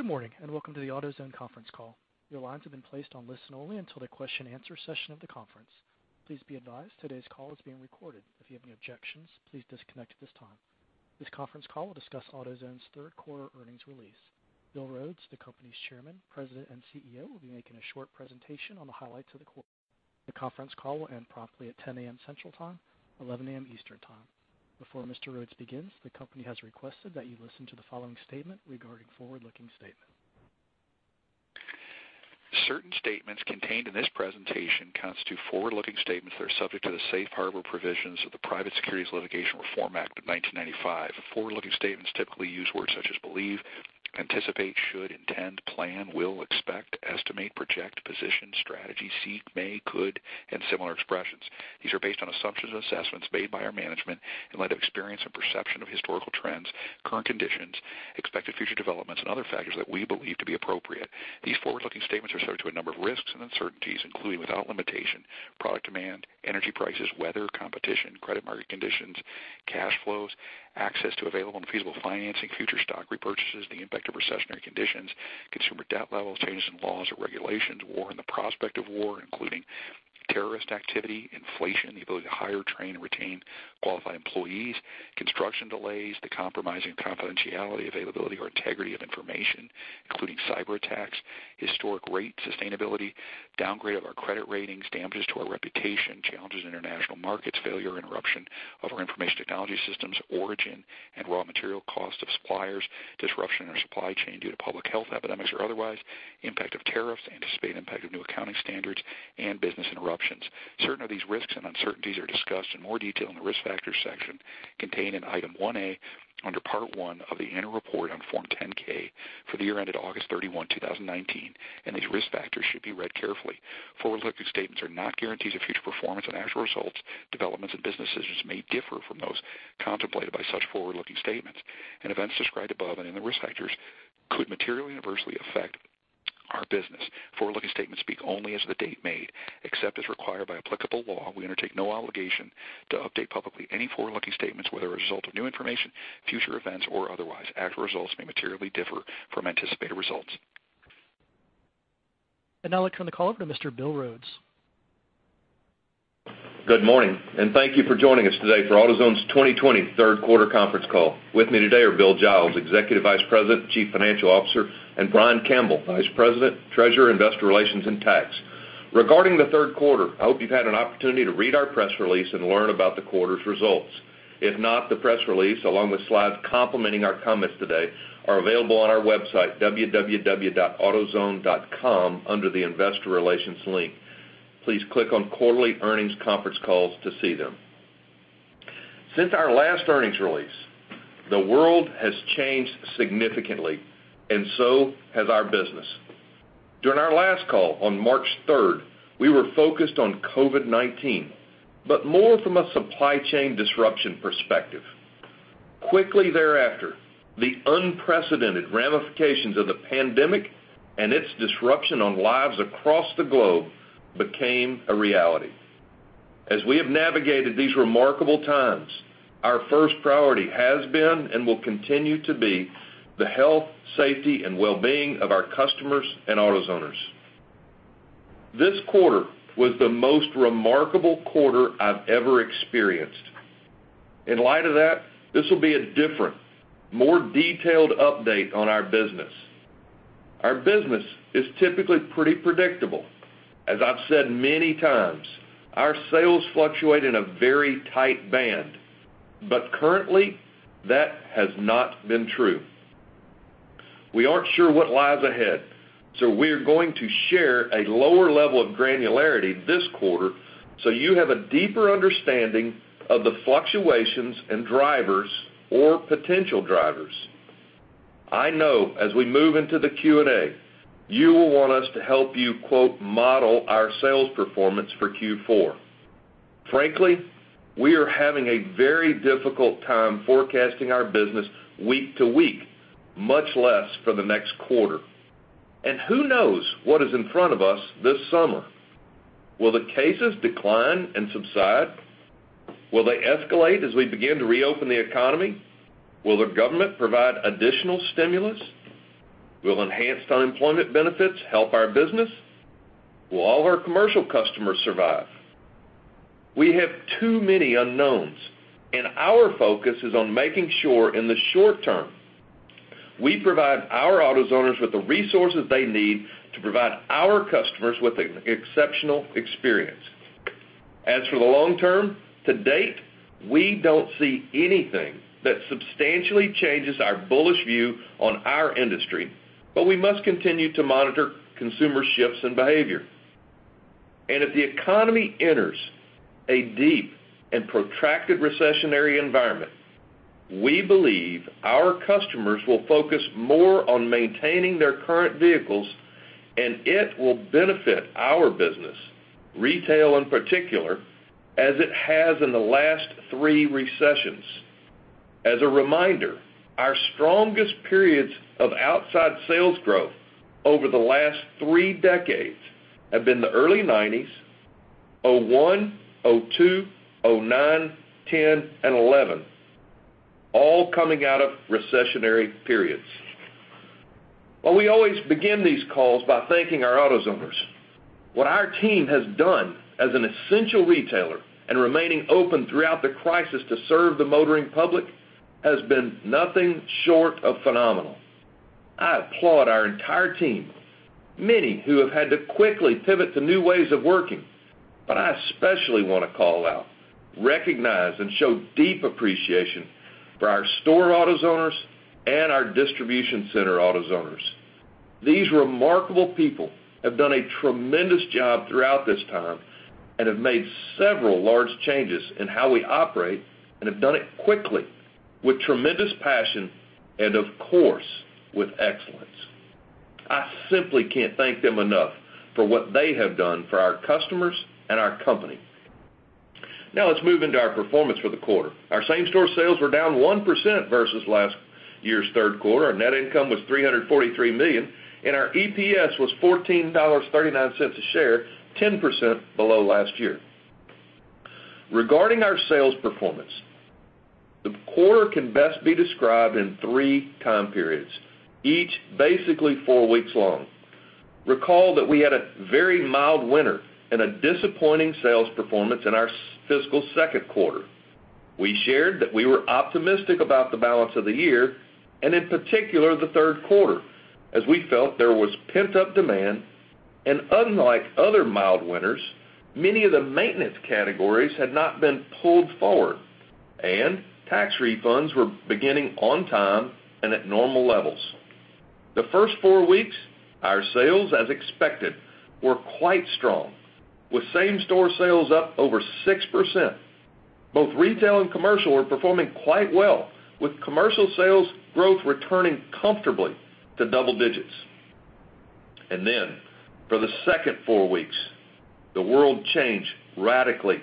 Good morning, welcome to the AutoZone conference call. Your lines have been placed on listen only until the question answer session of the conference. Please be advised today's call is being recorded. If you have any objections, please disconnect at this time. This conference call will discuss AutoZone's Q3 earnings release. Bill Rhodes, the company's Chairman, President and CEO, will be making a short presentation on the highlights of the quarter. The conference call will end promptly at 10:00 A.M. Central Time, 11:00 A.M. Eastern Time. Before Mr. Rhodes begins, the company has requested that you listen to the following statement regarding forward-looking statements. Certain statements contained in this presentation constitute forward-looking statements that are subject to the safe harbor provisions of the Private Securities Litigation Reform Act of 1995. Forward-looking statements typically use words such as believe, anticipate, should, intend, plan, will, expect, estimate, project, position, strategy, seek, may, could, and similar expressions. These are based on assumptions and assessments made by our management in light of experience and perception of historical trends, current conditions, expected future developments, and other factors that we believe to be appropriate. These forward-looking statements are subject to a number of risks and uncertainties, including without limitation, product demand, energy prices, weather, competition, credit market conditions, cash flows, access to available and feasible financing, future stock repurchases, The impact of recessionary conditions, consumer debt levels, changes in laws or regulations, war and the prospect of war, including terrorist activity, inflation, the ability to hire, train, and retain qualified employees, construction delays, the compromising confidentiality, availability, or integrity of information, including cyber attacks, historic rate sustainability, downgrade of our credit ratings, Damages to our reputation, challenges in international markets, failure, interruption of our information technology systems, origin and raw material cost of suppliers, disruption in our supply chain due to public health epidemics or otherwise, impact of tariffs, anticipated impact of new accounting standards, and business interruptions. Certain of these risks and uncertainties are discussed in more detail in the Risk Factors section contained in Item One A under Part One of the Annual Report on Form 10-K for the year ended August 31st, 2019. These risk factors should be read carefully. Forward-looking statements are not guarantees of future performance, and actual results, developments, and business decisions may differ from those contemplated by such forward-looking statements. Events described above and in the risk factors could materially adversely affect our business. Forward-looking statements speak only as of the date made. Except as required by applicable law, we undertake no obligation to update publicly any forward-looking statements, whether as a result of new information, future events, or otherwise. Actual results may materially differ from anticipated results. I'd now like turn the call over to Mr. Bill Rhodes. Good morning, thank you for joining us today for AutoZone's 2020 Q3 conference call. With me today are Bill Giles, Executive Vice President, Chief Financial Officer, and Brian Campbell, Vice President, Treasurer, Investor Relations, and Tax. Regarding the Q3, I hope you've had an opportunity to read our press release and learn about the quarter's results. If not, the press release, along with slides complementing our comments today, are available on our website, www.autozone.com, under the investor relations link. Please click on quarterly earnings conference calls to see them. Since our last earnings release, the world has changed significantly and so has our business. During our last call on March 3rd, we were focused on COVID-19, but more from a supply chain disruption perspective. Quickly thereafter, the unprecedented ramifications of the pandemic and its disruption on lives across the globe became a reality. As we have navigated these remarkable times, our first priority has been and will continue to be the health, safety, and wellbeing of our customers and AutoZoners. This quarter was the most remarkable quarter I've ever experienced. In light of that, this will be a different, more detailed update on our business. Our business is typically pretty predictable. As I've said many times, our sales fluctuate in a very tight band, but currently that has not been true. We aren't sure what lies ahead, so we're going to share a lower level of granularity this quarter so you have a deeper understanding of the fluctuations and drivers or potential drivers. I know as we move into the Q&A, you will want us to help you, quote, "model our sales performance for Q4." Frankly, we are having a very difficult time forecasting our business week to week, much less for the next quarter. Who knows what is in front of us this summer? Will the cases decline and subside? Will they escalate as we begin to reopen the economy? Will the government provide additional stimulus? Will enhanced unemployment benefits help our business? Will all of our commercial customers survive? We have too many unknowns, and our focus is on making sure in the short term we provide our AutoZoners with the resources they need to provide our customers with an exceptional experience. As for the long term, to date, we don't see anything that substantially changes our bullish view on our industry, but we must continue to monitor consumer shifts in behavior. If the economy enters a deep and protracted recessionary environment, we believe our customers will focus more on maintaining their current vehicles, and it will benefit our business, retail in particular, as it has in the last three recessions. As a reminder, our strongest periods of outside sales growth over the last three decades have been the early 1990s, 2001, 2002, 2009, 2010 and 2011, all coming out of recessionary periods. While we always begin these calls by thanking our AutoZoners, what our team has done as an essential retailer and remaining open throughout the crisis to serve the motoring public has been nothing short of phenomenal. I applaud our entire team, many who have had to quickly pivot to new ways of working, but I especially want to call out, recognize, and show deep appreciation for our store AutoZoners and our distribution center AutoZoners. These remarkable people have done a tremendous job throughout this time and have made several large changes in how we operate and have done it quickly with tremendous passion and of course, with excellence. I simply can't thank them enough for what they have done for our customers and our company. Now let's move into our performance for the quarter. Our same-store sales were down 1% versus last year's Q3, our net income was $343 million, and our EPS was $14.39 a share, 10% below last year. Regarding our sales performance, the quarter can best be described in three time periods, each basically four weeks long. Recall that we had a very mild winter and a disappointing sales performance in our fiscal Q2. We shared that we were optimistic about the balance of the year and in particular the Q3, as we felt there was pent-up demand, and unlike other mild winters, many of the maintenance categories had not been pulled forward, and tax refunds were beginning on time and at normal levels. The first four weeks, our sales, as expected, were quite strong with same-store sales up over 6%. Both retail and commercial were performing quite well with commercial sales growth returning comfortably to double digits. Then for the second four weeks, the world changed radically,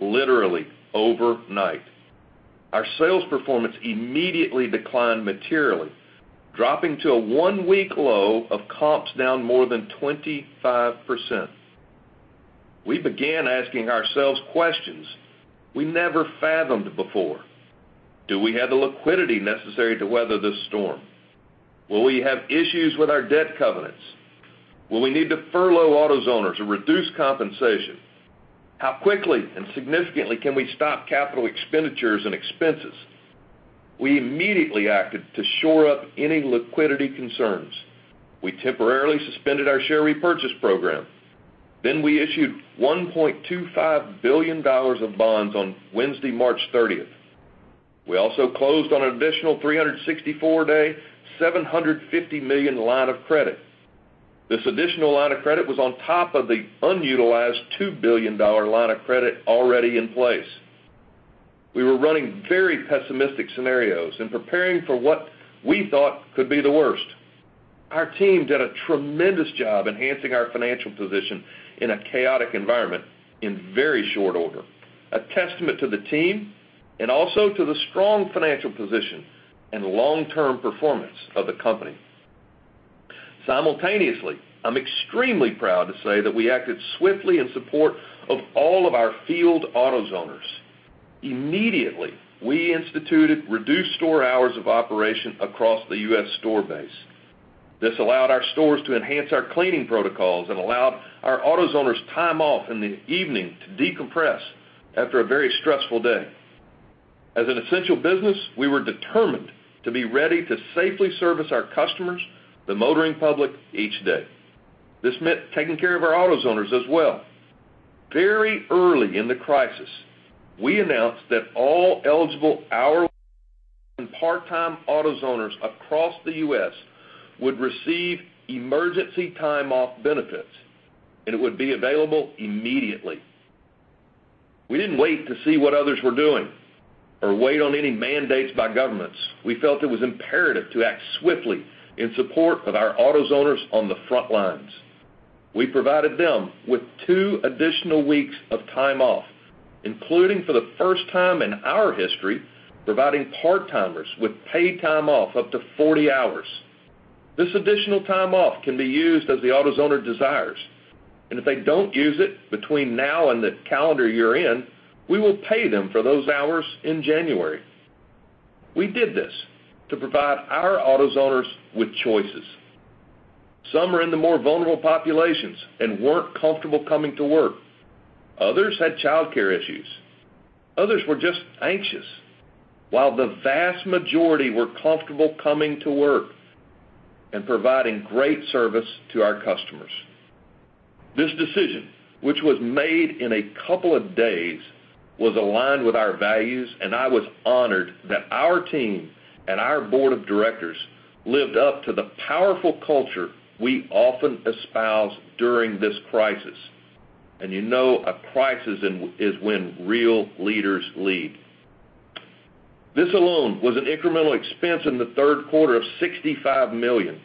literally overnight. Our sales performance immediately declined materially, dropping to a one-week low of comps down more than 25%. We began asking ourselves questions we never fathomed before. Do we have the liquidity necessary to weather this storm? Will we have issues with our debt covenants? Will we need to furlough AutoZoners or reduce compensation? How quickly and significantly can we stop capital expenditures and expenses? We immediately acted to shore up any liquidity concerns. We temporarily suspended our share repurchase program. We issued $1.25 billion of bonds on Wednesday, March 30th. We also closed on an additional 364-day, $750 million line of credit. This additional line of credit was on top of the unutilized $2 billion line of credit already in place. We were running very pessimistic scenarios and preparing for what we thought could be the worst. Our team did a tremendous job enhancing our financial position in a chaotic environment in very short order, a testament to the team and also to the strong financial position and long-term performance of the company. Simultaneously, I'm extremely proud to say that we acted swiftly in support of all of our field AutoZoners. We instituted reduced store hours of operation across the U.S. store base. This allowed our stores to enhance our cleaning protocols and allowed our AutoZoners time off in the evening to decompress after a very stressful day. As an essential business, we were determined to be ready to safely service our customers, the motoring public, each day. This meant taking care of our AutoZoners as well. Very early in the crisis, we announced that all eligible hourly and part-time AutoZoners across the U.S. would receive emergency time off benefits, and it would be available immediately. We didn't wait to see what others were doing or wait on any mandates by governments. We felt it was imperative to act swiftly in support of our AutoZoners on the front lines. We provided them with two additional weeks of time off, including for the first time in our history, providing part-timers with paid time off up to 40 hours. This additional time off can be used as the AutoZoner desires, and if they don't use it between now and the calendar year-end, we will pay them for those hours in January. We did this to provide our AutoZoners with choices. Some are in the more vulnerable populations and weren't comfortable coming to work. Others had childcare issues. Others were just anxious, while the vast majority were comfortable coming to work and providing great service to our customers. This decision, which was made in a couple of days, was aligned with our values, and I was honored that our team and our board of directors lived up to the powerful culture we often espouse during this crisis. You know a crisis is when real leaders lead. This alone was an incremental expense in the Q3 of $65 million.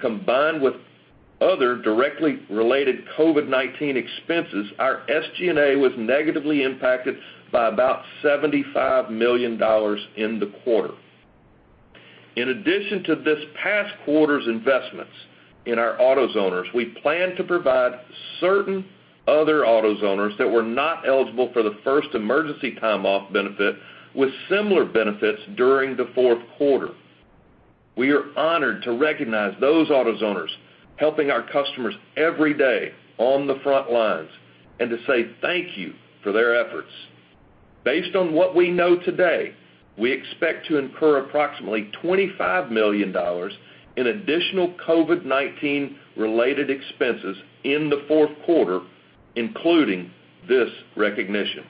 Combined with other directly related COVID-19 expenses, our SG&A was negatively impacted by about $75 million in the quarter. In addition to this past quarter's investments in our AutoZoners, we plan to provide certain other AutoZoners that were not eligible for the first emergency time off benefit with similar benefits during the Q4. We are honored to recognize those AutoZoners helping our customers every day on the front lines and to say thank you for their efforts. Based on what we know today, we expect to incur approximately $25 million in additional COVID-19 related expenses in the Q4, including this recognition.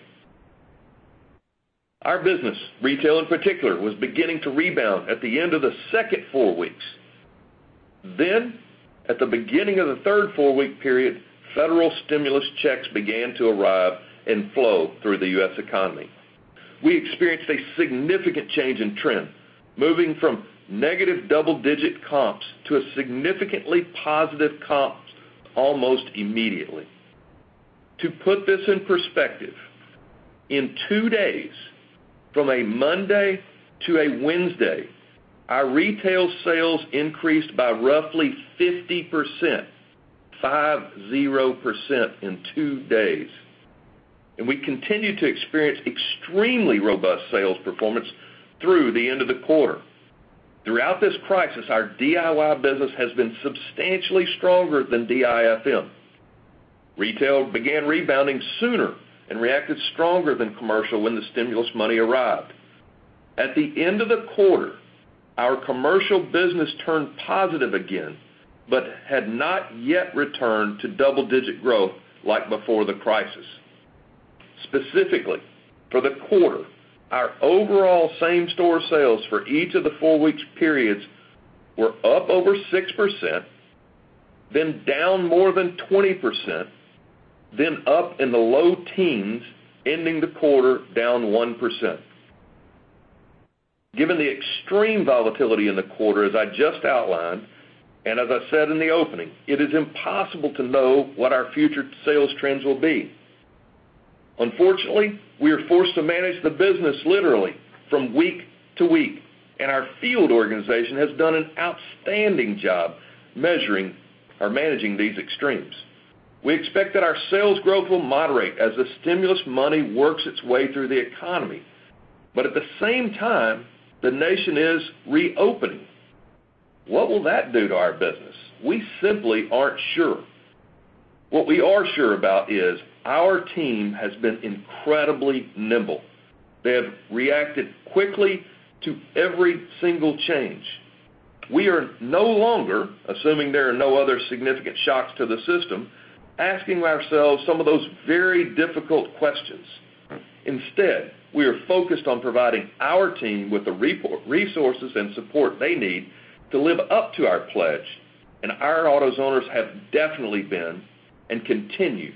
Our business, retail in particular, was beginning to rebound at the end of the second four weeks. At the beginning of the third four-week period, federal stimulus checks began to arrive and flow through the U.S. economy. We experienced a significant change in trend, moving from negative double-digit comps to a significantly positive comps almost immediately. To put this in perspective, in two days, from a Monday to a Wednesday, our retail sales increased by roughly 50%, 50% in two days. We continued to experience extremely robust sales performance through the end of the quarter. Throughout this crisis, our DIY business has been substantially stronger than DIFM. Retail began rebounding sooner and reacted stronger than commercial when the stimulus money arrived. At the end of the quarter, our commercial business turned positive again but had not yet returned to double-digit growth like before the crisis. Specifically, for the quarter, our overall same-store sales for each of the four-week periods were up over 6%, then down more than 20%, then up in the low teens, ending the quarter down 1%. Given the extreme volatility in the quarter, as I just outlined, and as I said in the opening, it is impossible to know what our future sales trends will be. Unfortunately, we are forced to manage the business literally from week to week, and our field organization has done an outstanding job measuring or managing these extremes. We expect that our sales growth will moderate as the stimulus money works its way through the economy. At the same time, the nation is reopening. What will that do to our business? We simply aren't sure. What we are sure about is our team has been incredibly nimble. They have reacted quickly to every single change. We are no longer, assuming there are no other significant shocks to the system, asking ourselves some of those very difficult questions. Instead, we are focused on providing our team with the resources and support they need to live up to our pledge, and our AutoZoners have definitely been, and continue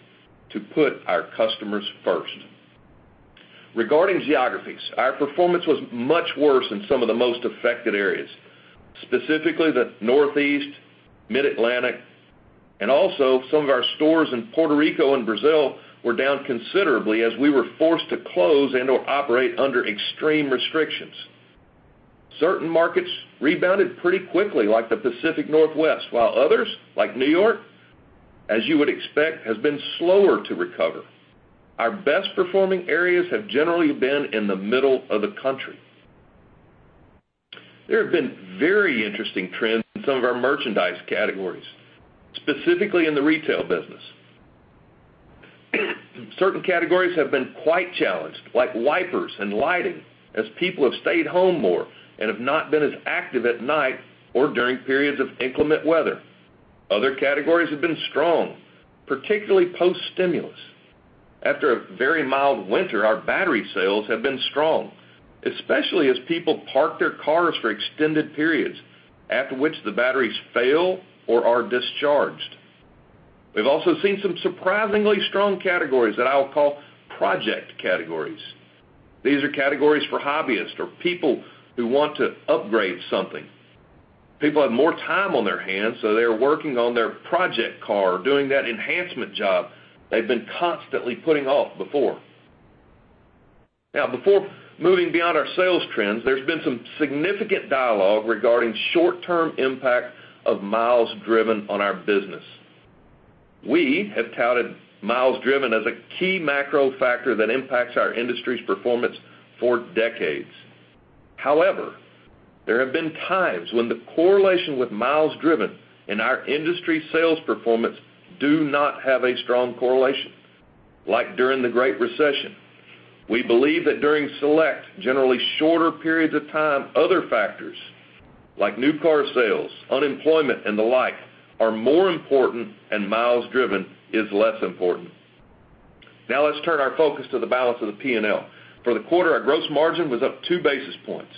to put our customers first. Regarding geographies, our performance was much worse in some of the most affected areas, specifically the Northeast, Mid-Atlantic, and also some of our stores in Puerto Rico and Brazil were down considerably as we were forced to close and/or operate under extreme restrictions. Certain markets rebounded pretty quickly, like the Pacific Northwest, while others, like New York, as you would expect, has been slower to recover. Our best performing areas have generally been in the middle of the country. There have been very interesting trends in some of our merchandise categories, specifically in the retail business. Certain categories have been quite challenged, like wipers and lighting, as people have stayed home more and have not been as active at night or during periods of inclement weather. Other categories have been strong, particularly post-stimulus. After a very mild winter, our battery sales have been strong, especially as people park their cars for extended periods, after which the batteries fail or are discharged. We've also seen some surprisingly strong categories that I'll call project categories. These are categories for hobbyists or people who want to upgrade something. People have more time on their hands, they're working on their project car or doing that enhancement job they've been constantly putting off before. Now, before moving beyond our sales trends, there's been some significant dialogue regarding short-term impact of miles driven on our business. We have touted miles driven as a key macro factor that impacts our industry's performance for decades. However, there have been times when the correlation with miles driven and our industry sales performance do not have a strong correlation, like during the Great Recession. We believe that during select, generally shorter periods of time, other factors like new car sales, unemployment, and the like are more important and miles driven is less important. Now let's turn our focus to the balance of the P&L. For the quarter, our gross margin was up two basis points.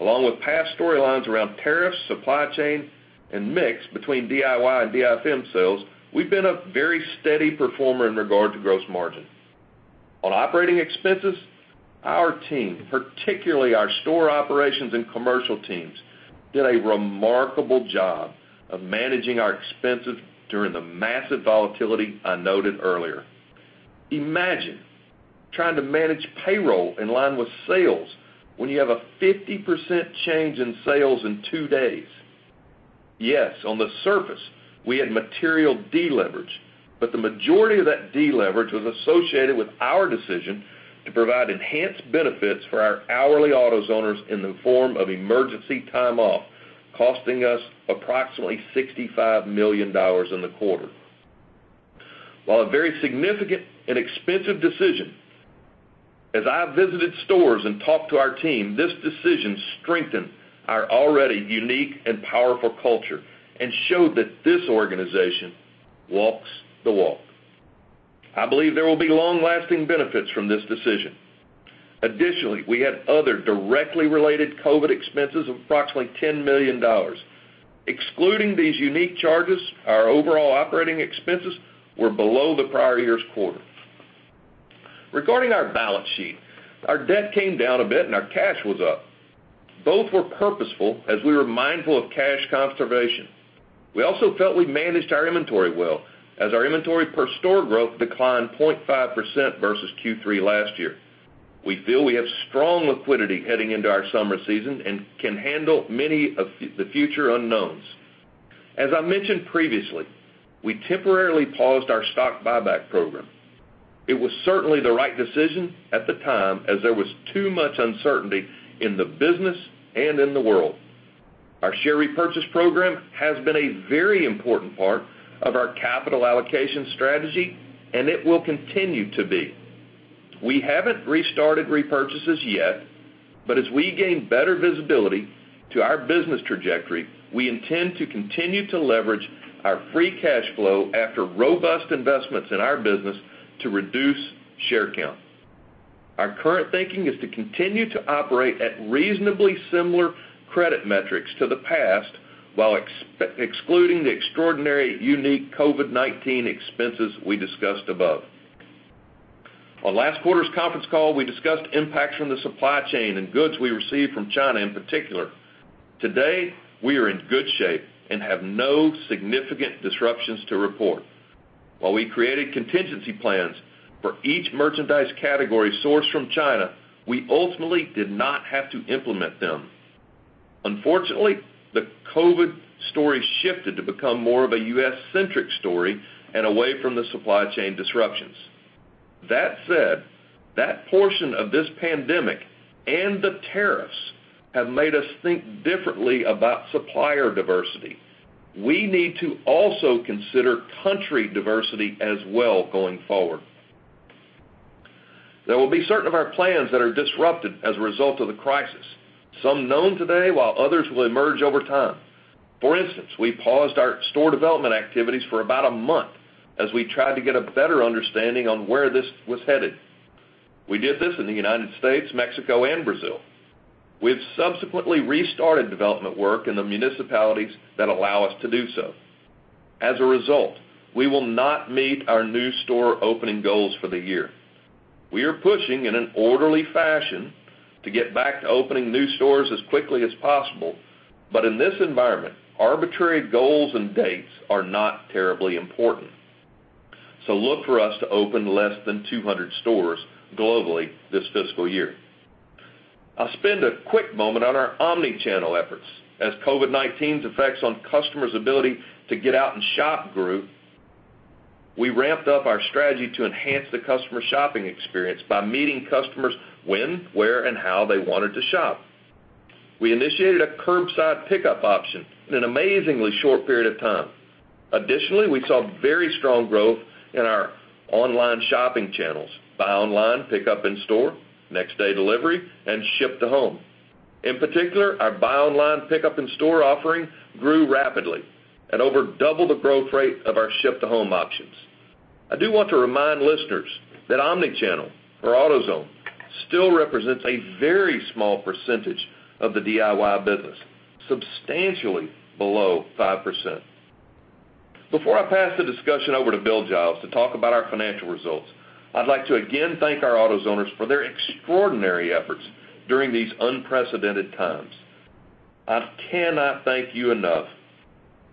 Along with past storylines around tariffs, supply chain, and mix between DIY and DIFM sales, we've been a very steady performer in regard to gross margin. On operating expenses, our team, particularly our store operations and commercial teams, did a remarkable job of managing our expenses during the massive volatility I noted earlier. Imagine trying to manage payroll in line with sales when you have a 50% change in sales in two days. Yes, on the surface, we had material deleverage, but the majority of that deleverage was associated with our decision to provide enhanced benefits for our hourly AutoZoners in the form of emergency time off, costing us approximately $65 million in the quarter. While a very significant and expensive decision, As I visited stores and talked to our team, this decision strengthened our already unique and powerful culture and showed that this organization walks the walk. I believe there will be long-lasting benefits from this decision. Additionally, we had other directly related COVID expenses of approximately $10 million. Excluding these unique charges, our overall operating expenses were below the prior year's quarter. Regarding our balance sheet, our debt came down a bit and our cash was up. Both were purposeful as we were mindful of cash conservation. We also felt we managed our inventory well, as our inventory per store growth declined 0.5% versus Q3 last year. We feel we have strong liquidity heading into our summer season and can handle many of the future unknowns. As I mentioned previously, I temporarily paused our stock buyback program. It was certainly the right decision at the time, as there was too much uncertainty in the business and in the world. Our share repurchase program has been a very important part of our capital allocation strategy, and it will continue to be. We haven't restarted repurchases yet, but as we gain better visibility to our business trajectory, we intend to continue to leverage our free cash flow after robust investments in our business to reduce share count. Our current thinking is to continue to operate at reasonably similar credit metrics to the past, while excluding the extraordinary unique COVID-19 expenses we discussed above. On last quarter's conference call, we discussed impacts from the supply chain and goods we received from China in particular. Today, we are in good shape and have no significant disruptions to report. While we created contingency plans for each merchandise category sourced from China, we ultimately did not have to implement them. Unfortunately, the COVID story shifted to become more of a US-centric story and away from the supply chain disruptions. That said, that portion of this pandemic and the tariffs have made us think differently about supplier diversity. We need to also consider country diversity as well going forward. There will be certain of our plans that are disrupted as a result of the crisis, some known today, while others will emerge over time. For instance, we paused our store development activities for about a month as we tried to get a better understanding on where this was headed. We did this in the United States, Mexico, and Brazil. We have subsequently restarted development work in the municipalities that allow us to do so. As a result, we will not meet our new store opening goals for the year. We are pushing in an orderly fashion to get back to opening new stores as quickly as possible, but in this environment, arbitrary goals and dates are not terribly important. Look for us to open less than 200 stores globally this fiscal year. I'll spend a quick moment on our omnichannel efforts. As COVID-19's effects on customers' ability to get out and shop grew, we ramped up our strategy to enhance the customer shopping experience by meeting customers when, where, and how they wanted to shop. We initiated a curbside pickup option in an amazingly short period of time. Additionally, we saw very strong growth in our online shopping channels, buy online, pickup in store, next day delivery, and ship to home. In particular, our buy online, pickup in store offering grew rapidly at over double the growth rate of our ship to home options. I do want to remind listeners that omnichannel for AutoZone still represents a very small percentage of the DIY business, substantially below 5%. Before I pass the discussion over to Bill Giles to talk about our financial results, I'd like to again thank our AutoZoners for their extraordinary efforts during these unprecedented times. I cannot thank you enough,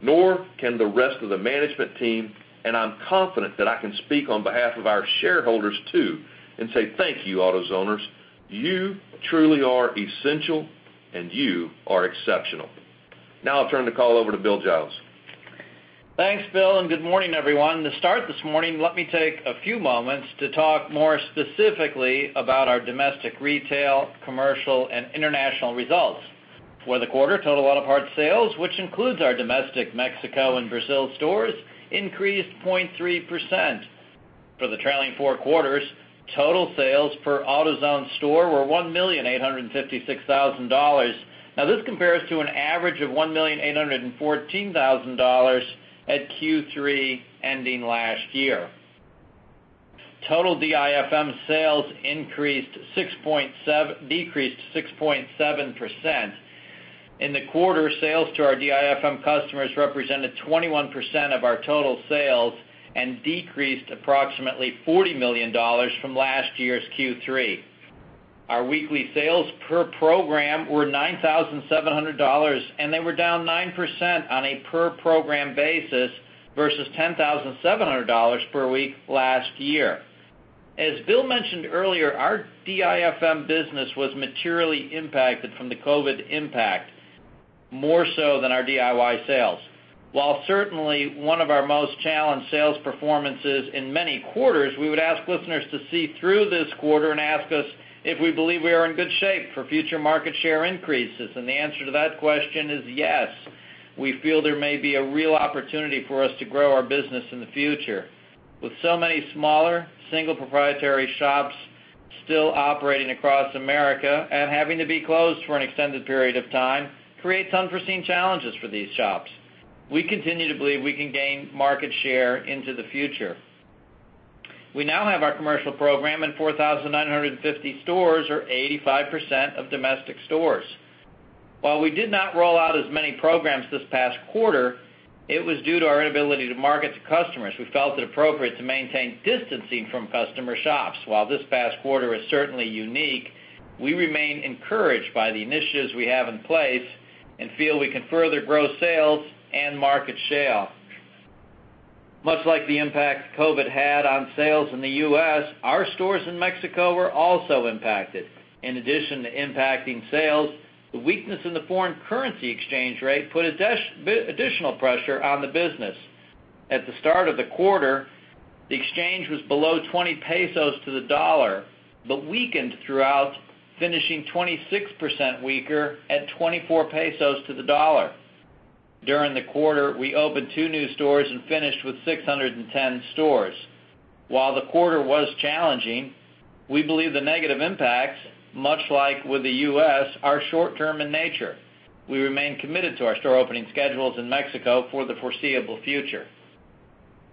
nor can the rest of the management team, and I'm confident that I can speak on behalf of our shareholders too and say thank you, AutoZoners. You truly are essential, and you are exceptional. Now I'll turn the call over to Bill Giles. Thanks, Bill. Good morning, everyone. To start this morning, let me take a few moments to talk more specifically about our domestic, retail, commercial, and international results. For the quarter, total auto parts sales, which includes our domestic, Mexico, and Brazil stores, increased 0.3%. For the trailing four quarters, total sales per AutoZone store were $1,856,000. This compares to an average of $1,814,000 at Q3 ending last year. Total DIFM sales decreased 6.7%. In the quarter, sales to our DIFM customers represented 21% of our total sales and decreased approximately $40 million from last year's Q3. Our weekly sales per program were $9,700, and they were down 9% on a per-program basis versus $10,700 per week last year. As Bill mentioned earlier, our DIFM business was materially impacted from the COVID impact, more so than our DIY sales. While certainly one of our most challenged sales performances in many quarters, we would ask listeners to see through this quarter and ask us if we believe we are in good shape for future market share increases. The answer to that question is yes, we feel there may be a real opportunity for us to grow our business in the future. With so many smaller, single proprietor shops still operating across America and having to be closed for an extended period of time creates unforeseen challenges for these shops. We continue to believe we can gain market share into the future. We now have our commercial program in 4,950 stores or 85% of domestic stores. While we did not roll out as many programs this past quarter, it was due to our inability to market to customers. We felt it appropriate to maintain distancing from customer shops. While this past quarter is certainly unique, we remain encouraged by the initiatives we have in place and feel we can further grow sales and market share. Much like the impact COVID-19 had on sales in the U.S., our stores in Mexico were also impacted. In addition to impacting sales, the weakness in the foreign currency exchange rate put additional pressure on the business. At the start of the quarter, the exchange was below 20 pesos to the dollar, but weakened throughout, finishing 26% weaker at 24 pesos to the dollar. During the quarter, we opened two new stores and finished with 610 stores. While the quarter was challenging, we believe the negative impacts, much like with the U.S., are short-term in nature. We remain committed to our store opening schedules in Mexico for the foreseeable future.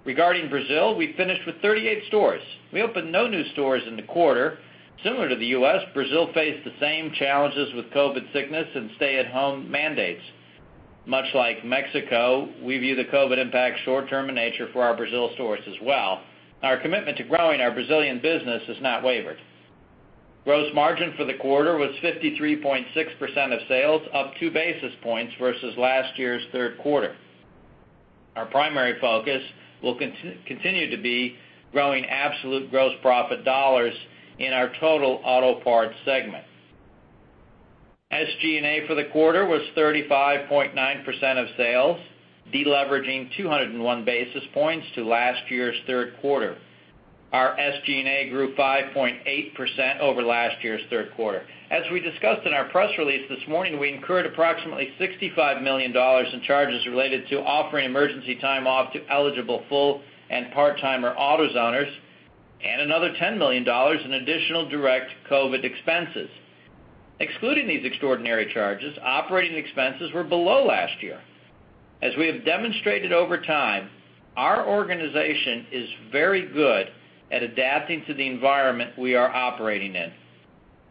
Regarding Brazil, we finished with 38 stores. We opened no new stores in the quarter. Similar to the U.S., Brazil faced the same challenges with COVID sickness and stay-at-home mandates. Much like Mexico, we view the COVID impact short-term in nature for our Brazil stores as well. Our commitment to growing our Brazilian business has not wavered. Gross margin for the quarter was 53.6% of sales, up 2 basis points versus last year's Q3. Our primary focus will continue to be growing absolute gross profit dollars in our total auto parts segment. SG&A for the quarter was 35.9% of sales, deleveraging 201 basis points to last year's Q3. Our SG&A grew 5.8% over last year's Q3. As we discussed in our press release this morning, we incurred approximately $65 million in charges related to offering emergency time off to eligible full- and part-timer AutoZoners and another $10 million in additional direct COVID expenses. Excluding these extraordinary charges, operating expenses were below last year. As we have demonstrated over time, our organization is very good at adapting to the environment we are operating in.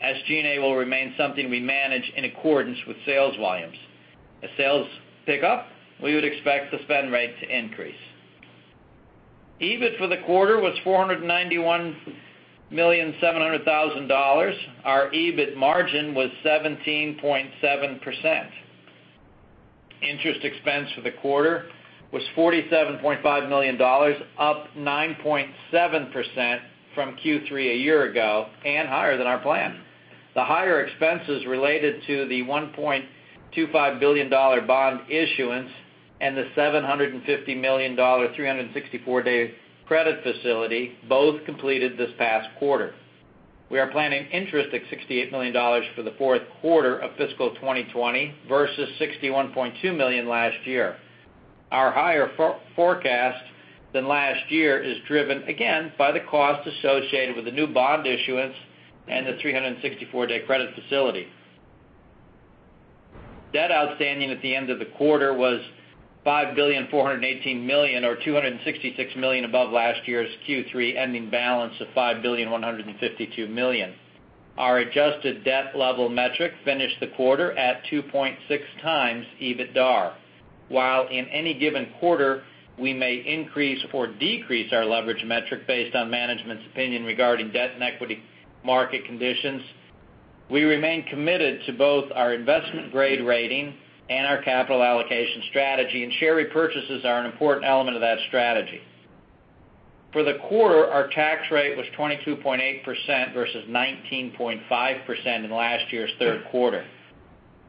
SG&A will remain something we manage in accordance with sales volumes. If sales pick up, we would expect the spend rate to increase. EBIT for the quarter was $491.7 million. Our EBIT margin was 17.7%. Interest expense for the quarter was $47.5 million, up 9.7% from Q3 a year ago and higher than our plan. The higher expenses related to the $1.25 billion bond issuance and the $750 million 364-day credit facility, both completed this past quarter. We are planning interest at $68 million for the Q4 of fiscal 2020 versus $61.2 million last year. Our higher forecast than last year is driven, again, by the cost associated with the new bond issuance and the 364-day credit facility. Debt outstanding at the end of the quarter was $5,418 million, or $266 million above last year's Q3 ending balance of $5,152 million. Our adjusted debt level metric finished the quarter at 2.6x EBITDAR. While in any given quarter we may increase or decrease our leverage metric based on management's opinion regarding debt and equity market conditions, we remain committed to both our investment grade rating and our capital allocation strategy, and share repurchases are an important element of that strategy. For the quarter, our tax rate was 22.8% versus 19.5% in last year's Q3.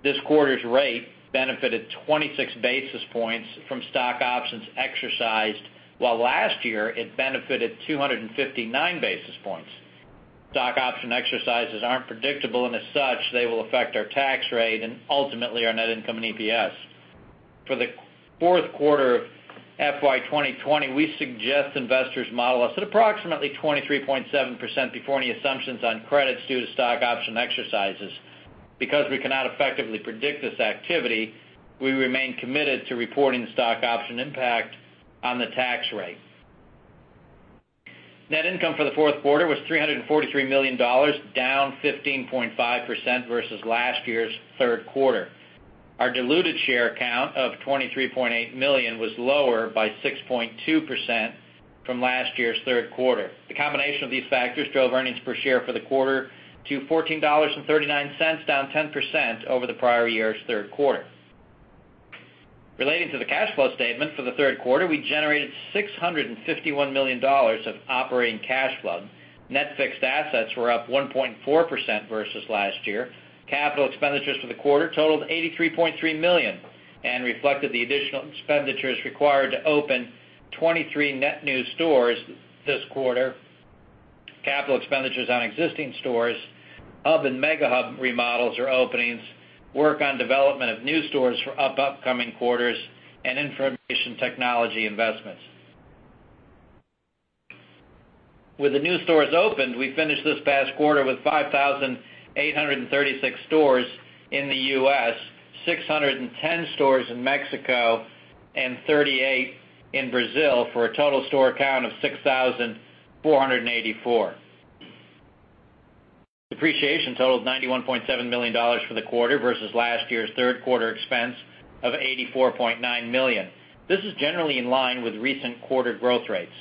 This quarter's rate benefited 26 basis points from stock options exercised, while last year it benefited 259 basis points. Stock option exercises aren't predictable, and as such, they will affect our tax rate and ultimately our net income and EPS. For the Q4 of FY 2020, we suggest investors model us at approximately 23.7% before any assumptions on credits due to stock option exercises. Because we cannot effectively predict this activity, we remain committed to reporting stock option impact on the tax rate. Net income for the Q4 was $343 million, down 15.5% versus last year's Q3. Our diluted share count of 23.8 million was lower by 6.2% from last year's Q3. The combination of these factors drove earnings per share for the quarter to $14.39, down 10% over the prior year's Q3. Relating to the cash flow statement for the Q3, we generated $651 million of operating cash flow. Net fixed assets were up 1.4% versus last year. Capital expenditures for the quarter totaled $83.3 million and reflected the additional expenditures required to open 23 net new stores this quarter, capital expenditures on existing stores, hub and mega hub remodels or openings, work on development of new stores for upcoming quarters, and information technology investments. With the new stores opened, we finished this past quarter with 5,836 stores in the U.S., 610 stores in Mexico, and 38 in Brazil for a total store count of 6,484. Depreciation totaled $91.7 million for the quarter versus last year's Q3 expense of $84.9 million. This is generally in line with recent quarter growth rates.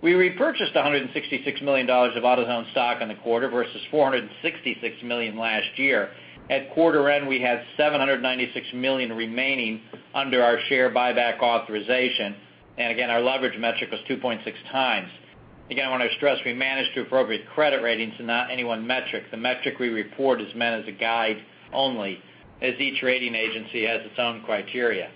We repurchased $166 million of AutoZone stock in the quarter versus $466 million last year. At quarter end, we had $796 million remaining under our share buyback authorization, and again, our leverage metric was 2.6x. Again, I want to stress we manage to appropriate credit ratings and not any one metric. The metric we report is meant as a guide only, as each rating agency has its own criteria.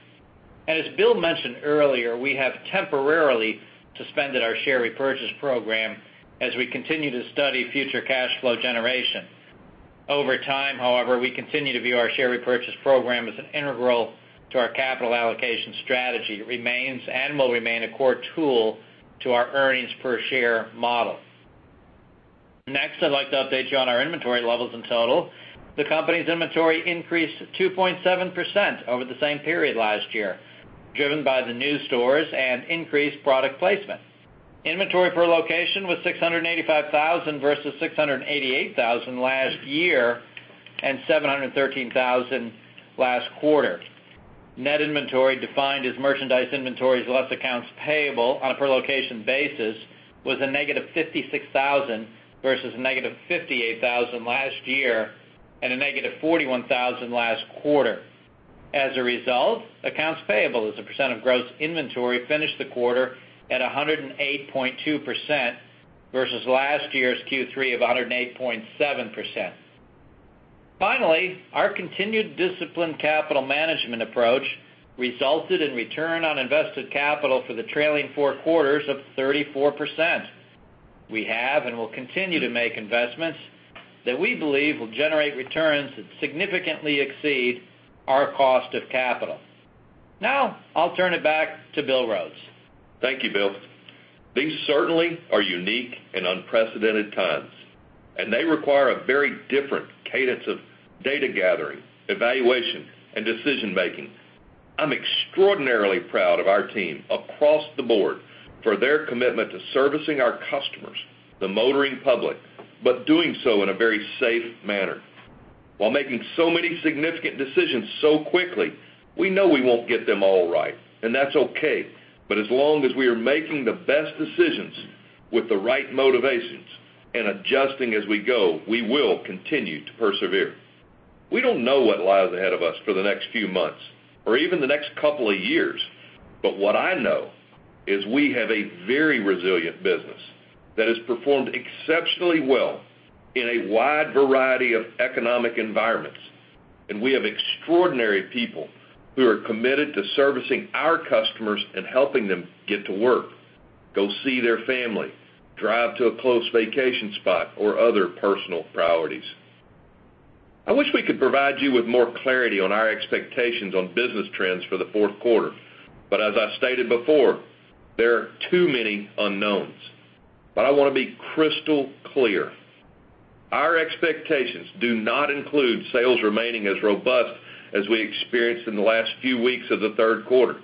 As Bill mentioned earlier, we have temporarily suspended our share repurchase program as we continue to study future cash flow generation. Over time, however, we continue to view our share repurchase program as integral to our capital allocation strategy. It remains and will remain a core tool to our earnings per share model. Next, I'd like to update you on our inventory levels in total. The company's inventory increased 2.7% over the same period last year, driven by the new stores and increased product placement. Inventory per location was 685,000 versus 688,000 last year and 713,000 last quarter. Net inventory, defined as merchandise inventories less accounts payable on a per-location basis, was a -56,000 versus a -58,000 last year and a -41,000 last quarter. As a result, accounts payable as a percent of gross inventory finished the quarter at 108.2% versus last year's Q3 of 108.7%. Finally, our continued disciplined capital management approach resulted in return on invested capital for the trailing four quarters of 34%. We have and will continue to make investments that we believe will generate returns that significantly exceed our cost of capital. Now, I'll turn it back to Bill Rhodes. Thank you, Bill. These certainly are unique and unprecedented times, and they require a very different cadence of data gathering, evaluation, and decision-making. I'm extraordinarily proud of our team across the board for their commitment to servicing our customers, the motoring public, but doing so in a very safe manner. While making so many significant decisions so quickly, we know we won't get them all right, and that's okay. As long as we are making the best decisions with the right motivations and adjusting as we go, we will continue to persevere. We don't know what lies ahead of us for the next few months or even the next couple of years. What I know is we have a very resilient business that has performed exceptionally well in a wide variety of economic environments, and we have extraordinary people who are committed to servicing our customers and helping them get to work, Go see their family, drive to a close vacation spot or other personal priorities. I wish we could provide you with more clarity on our expectations on business trends for the Q4, but as I stated before, there are too many unknowns. I want to be crystal clear. Our expectations do not include sales remaining as robust as we experienced in the last few weeks of the Q3.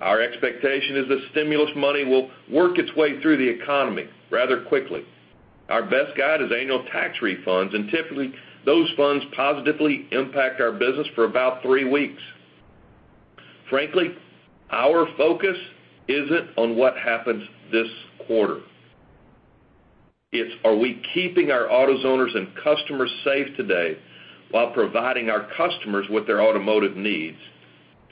Our expectation is that stimulus money will work its way through the economy rather quickly. Our best guide is annual tax refunds, and typically, those funds positively impact our business for about three weeks. Frankly, our focus isn't on what happens this quarter. It's are we keeping our AutoZoners and customers safe today while providing our customers with their automotive needs?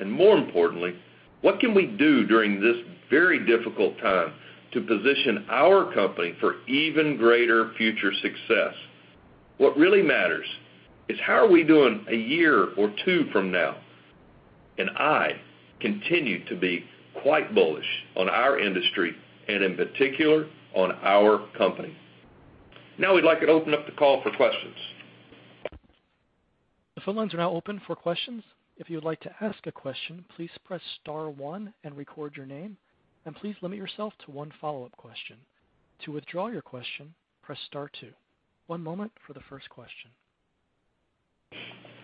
More importantly, what can we do during this very difficult time to position our company for even greater future success? What really matters is how are we doing a year or two from now? I continue to be quite bullish on our industry and, in particular, on our company. Now we'd like to open up the call for questions. The phone lines are now open for questions. If you would like to ask a question, please press star one and record your name, and please limit yourself to one follow-up question. To withdraw your question, press star two. One moment for the first question.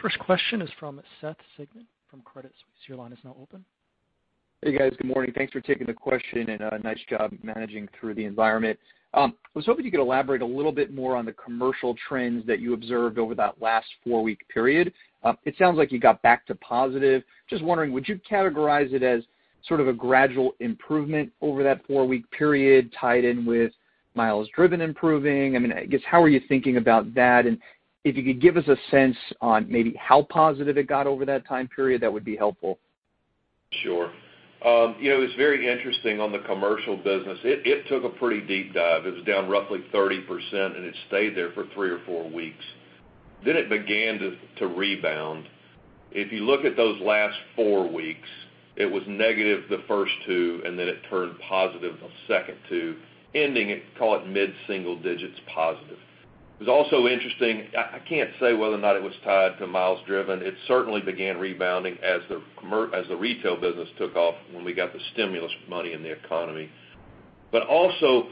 First question is from Seth Sigman from Credit Suisse. Your line is now open Hey, guys. Good morning. Thanks for taking the question, and nice job managing through the environment. I was hoping you could elaborate a little bit more on the commercial trends that you observed over that last four-week period. It sounds like you got back to positive. Just wondering, would you categorize it as sort of a gradual improvement over that four-week period tied in with miles driven improving? I guess, how are you thinking about that? If you could give us a sense on maybe how positive it got over that time period, that would be helpful. Sure. It's very interesting on the commercial business. It took a pretty deep dive. It was down roughly 30%. It stayed there for three or four weeks. It began to rebound. If you look at those last four weeks, it was negative the first two. It turned positive the second two, ending at, call it mid-single digits positive. It was also interesting, I can't say whether or not it was tied to miles driven. It certainly began rebounding as the retail business took off when we got the stimulus money in the economy. Also,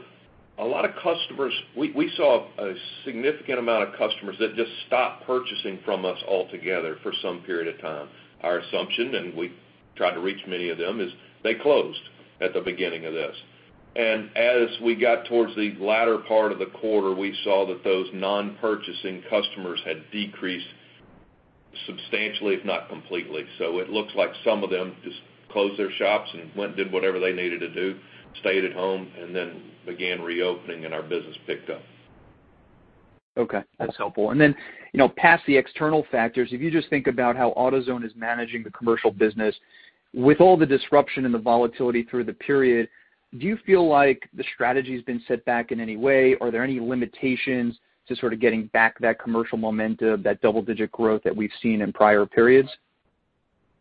we saw a significant amount of customers that just stopped purchasing from us altogether for some period of time. Our assumption, and we tried to reach many of them, is they closed at the beginning of this. As we got towards the latter part of the quarter, we saw that those non-purchasing customers had decreased substantially, if not completely. It looks like some of them just closed their shops and went and did whatever they needed to do, stayed at home, and then began reopening, and our business picked up. Okay, that's helpful. Past the external factors, if you just think about how AutoZone is managing the commercial business, with all the disruption and the volatility through the period, do you feel like the strategy's been set back in any way? Are there any limitations to sort of getting back that commercial momentum, that double-digit growth that we've seen in prior periods?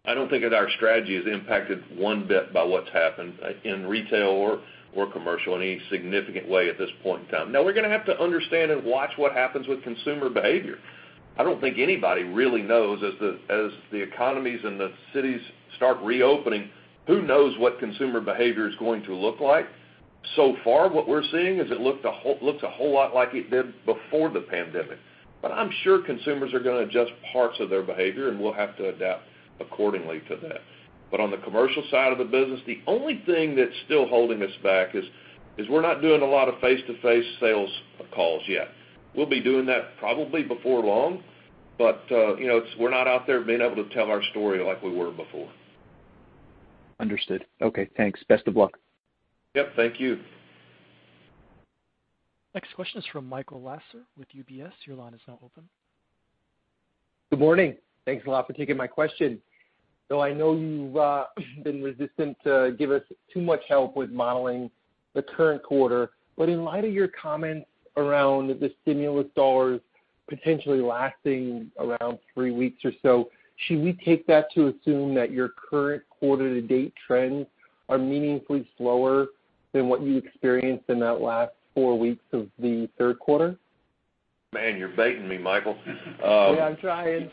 I don't think that our strategy is impacted one bit by what's happened in retail or commercial in any significant way at this point in time. We're going to have to understand and watch what happens with consumer behavior. I don't think anybody really knows, as the economies and the cities start reopening, who knows what consumer behavior is going to look like. So far what we're seeing is it looks a whole lot like it did before the pandemic. I'm sure consumers are going to adjust parts of their behavior, and we'll have to adapt accordingly to that. On the commercial side of the business, the only thing that's still holding us back is we're not doing a lot of face-to-face sales calls yet. We'll be doing that probably before long. We're not out there being able to tell our story like we were before. Understood. Okay, thanks. Best of luck. Yep. Thank you. Next question is from Michael Lasser with UBS. Your line is now open. Good morning. Thanks a lot for taking my question. Bill, I know you've been resistant to give us too much help with modeling the current quarter. In light of your comments around the stimulus dollars potentially lasting around three weeks or so, should we take that to assume that your current quarter-to-date trends are meaningfully slower than what you experienced in that last four weeks of the Q3? Man, you're baiting me, Michael. Yeah, I'm trying.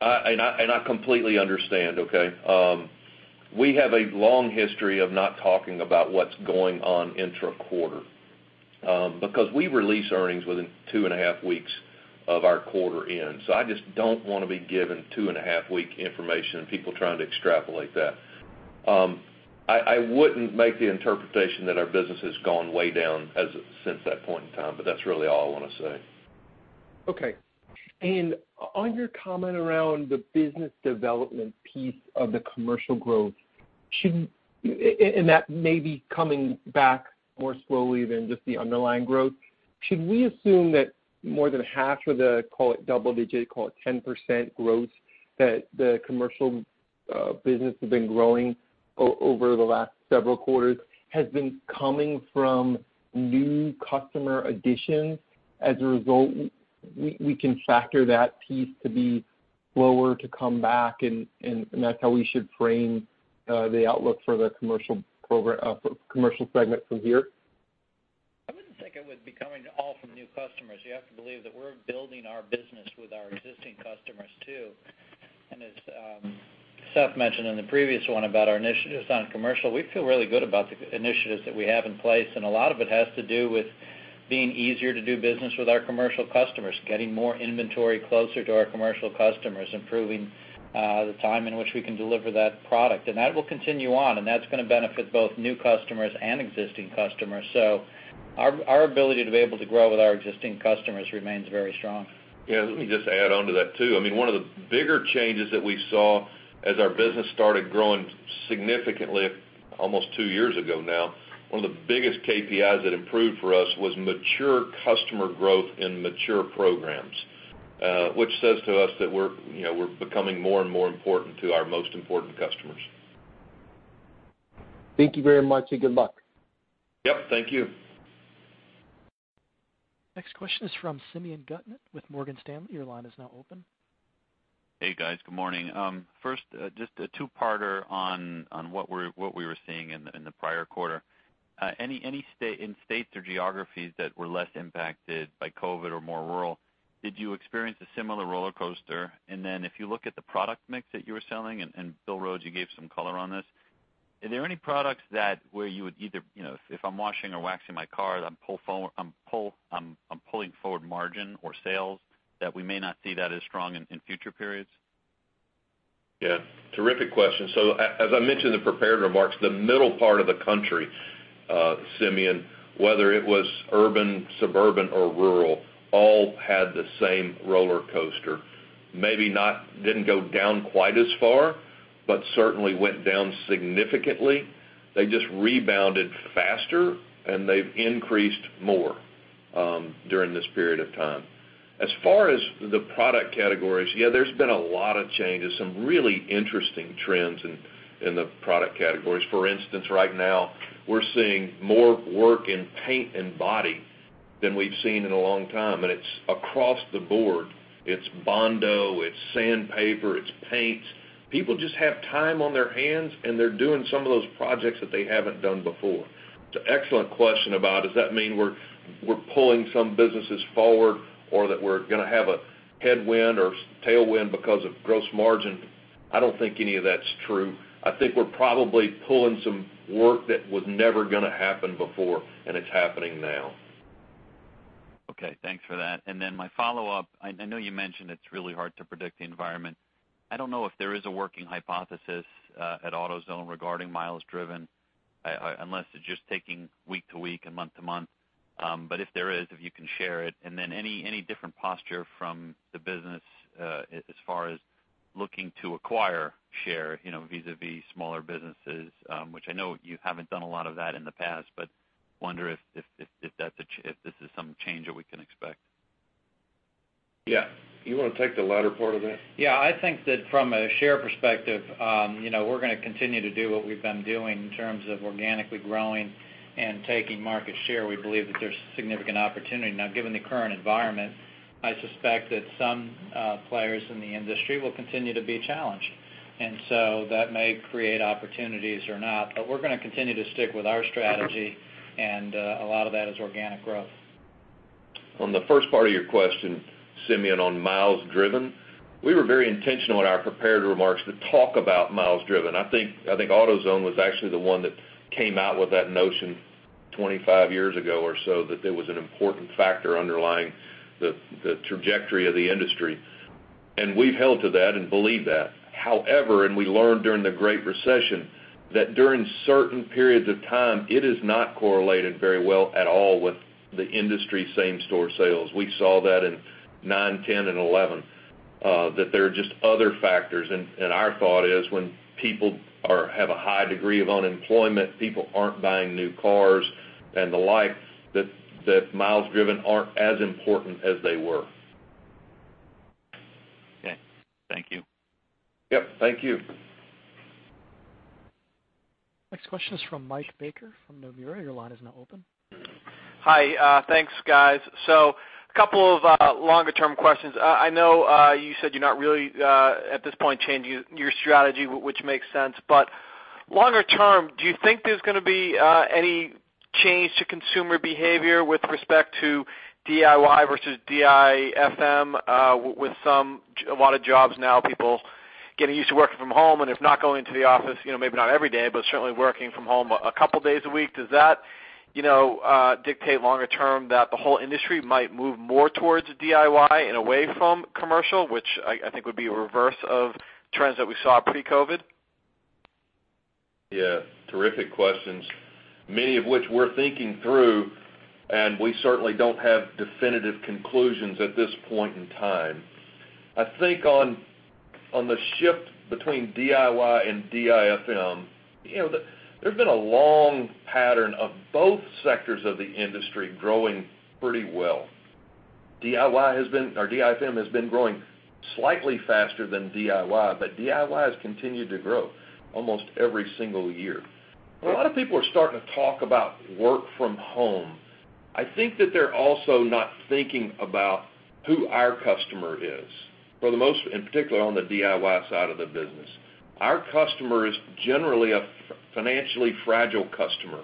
I completely understand, okay? We have a long history of not talking about what's going on intra-quarter because we release earnings within two and a half weeks of our quarter end. I just don't want to be giving two and a half week information and people trying to extrapolate that. I wouldn't make the interpretation that our business has gone way down since that point in time, but that's really all I want to say. Okay. On your comment around the business development piece of the commercial growth, and that may be coming back more slowly than just the underlying growth, should we assume that more than half of the, Call it double-digit, call it 10% growth that the commercial business has been growing over the last several quarters has been coming from new customer additions? As a result, we can factor that piece to be slower to come back, and that's how we should frame the outlook for the commercial segment from here? I wouldn't think it would be coming all from new customers. You have to believe that we're building our business with our existing customers, too. And as Seth mentioned in the previous one about our initiatives on commercial, we feel really good about the initiatives that we have in place, and a lot of it has to do with being easier to do business with our commercial customers, Getting more inventory closer to our commercial customers, improving the time in which we can deliver that product. And that will continue on, and that's going to benefit both new customers and existing customers. Our ability to be able to grow with our existing customers remains very strong. Yeah, let me just add onto that, too. One of the bigger changes that we saw as our business started growing significantly almost two years ago now, one of the biggest KPIs that improved for us was mature customer growth in mature programs, which says to us that we're becoming more and more important to our most important customers. Thank you very much, and good luck. Yep, thank you. Next question is from Simeon Gutman with Morgan Stanley. Your line is now open. Hey, guys. Good morning. First, just a two-parter on what we were seeing in the prior quarter. Any state in states or geographies that were less impacted by COVID-19 or more rural, did you experience a similar rollercoaster? If you look at the product mix that you were selling, and Bill Rhodes, you gave some color on this, are there any products that where you would either, if I'm washing or waxing my car, I'm pulling forward margin or sales that we may not see that as strong in future periods? Terrific question. As I mentioned in the prepared remarks, the middle part of the country, Simeon, whether it was urban, suburban, or rural, all had the same roller coaster. Maybe didn't go down quite as far, but certainly went down significantly. They just rebounded faster, and they've increased more during this period of time. As far as the product categories, there's been a lot of changes. Some really interesting trends in the product categories. For instance, right now we're seeing more work in paint and body than we've seen in a long time, and it's across the board. It's Bondo, it's sandpaper, it's paints. People just have time on their hands, and they're doing some of those projects that they haven't done before. It's an excellent question about does that mean we're pulling some businesses forward or that we're going to have a headwind or tailwind because of gross margin? I don't think any of that's true. I think we're probably pulling some work that was never gonna happen before, and it's happening now. Okay. Thanks for that. Then my follow-up, I know you mentioned it's really hard to predict the environment. I don't know if there is a working hypothesis at AutoZone regarding miles driven, unless it's just taking week to week and month to month. If there is, if you can share it, then any different posture from the business as far as looking to acquire share vis-a-vis smaller businesses, which I know you haven't done a lot of that in the past, wonder if this is some change that we can expect. Yeah. You want to take the latter part of that? Yeah. I think that from a share perspective, we're going to continue to do what we've been doing in terms of organically growing and taking market share. We believe that there's significant opportunity. Now, given the current environment, I suspect that some players in the industry will continue to be challenged, and so that may create opportunities or not. We're going to continue to stick with our strategy, and a lot of that is organic growth. On the first part of your question, Simeon, on miles driven, we were very intentional in our prepared remarks to talk about miles driven. I think AutoZone was actually the one that came out with that notion 25 years ago or so, that there was an important factor underlying the trajectory of the industry. We've held to that and believed that. However, and we learned during the Great Recession, that during certain periods of time, it is not correlated very well at all with the industry same store sales. We saw that in 2009, 2010, and 2011, that there are just other factors. Our thought is when people have a high degree of unemployment, people aren't buying new cars and the like, that miles driven aren't as important as they were. Okay. Thank you. Yep, thank you. Next question is from Mike Baker from Nomura. Your line is now open. Hi. Thanks, guys. A couple of longer-term questions. I know you said you're not really at this point changing your strategy, which makes sense. Longer term, do you think there's going to be any change to consumer behavior with respect to DIY versus DIFM? With a lot of jobs now, people getting used to working from home, and if not going into the office, maybe not every day, but certainly working from home a couple days a week, does that dictate longer term that the whole industry might move more towards DIY and away from commercial, which I think would be a reverse of trends that we saw pre-COVID? Yeah. Terrific questions, many of which we're thinking through, and we certainly don't have definitive conclusions at this point in time. I think on the shift between DIY and DIFM, there's been a long pattern of both sectors of the industry growing pretty well. DIFM has been growing slightly faster than DIY, but DIY has continued to grow almost every single year. A lot of people are starting to talk about work from home. I think that they're also not thinking about who our customer is, in particular on the DIY side of the business. Our customer is generally a financially fragile customer.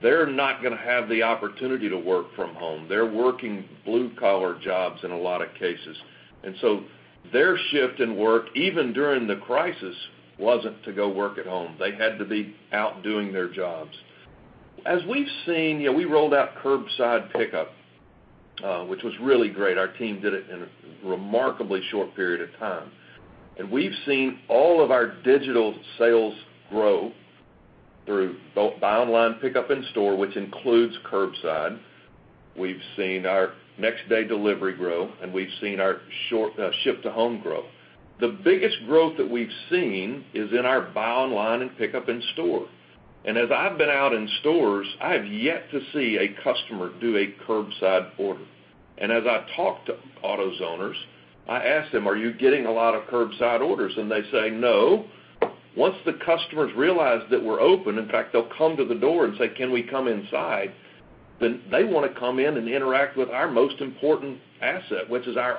They're not going to have the opportunity to work from home. They're working blue-collar jobs in a lot of cases, and so their shift in work, even during the crisis, wasn't to go work at home. They had to be out doing their jobs. As we've seen, we rolled out curbside pickup, which was really great. Our team did it in a remarkably short period of time. We've seen all of our digital sales grow through buy online, pickup in store, which includes curbside. We've seen our next day delivery grow, and we've seen our ship to home grow. The biggest growth that we've seen is in our buy online and pickup in store. As I've been out in stores, I have yet to see a customer do a curbside order. As I talk to AutoZoners, I ask them, "Are you getting a lot of curbside orders?" They say, "No." Once the customers realize that we're open, in fact, they'll come to the door and say, "Can we come inside?" They want to come in and interact with our most important asset, which is our